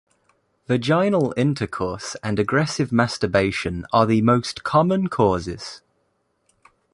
Vaginal intercourse and aggressive masturbation are the most common causes.